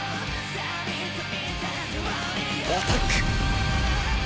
アタック！